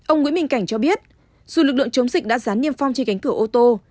ông nguyễn minh cảnh cho biết dù lực lượng chống dịch đã rán niêm phong trên cánh cửa ô tô